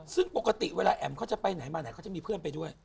ซึ่งปกติเวลาแอ๋มเขาจะไปไหนมาไหนเขาจะมีเพื่อนไปด้วย